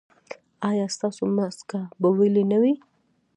ایا ستاسو مسکه به ویلې نه وي؟